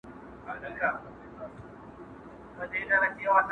او وحشت زياتوي،